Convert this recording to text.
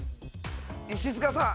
石塚さん